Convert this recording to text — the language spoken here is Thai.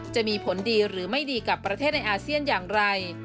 จะมีผลดีหรือไม่ดีกับประเทศในอาเซียนอย่างไร